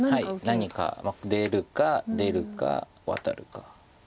何か出るか出るかワタるか。